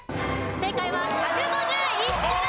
正解は１５１種類。